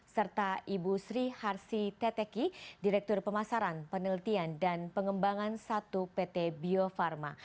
serta ibu sri harsi teteki direktur pemasaran penelitian dan pengembangan satu pt bio farma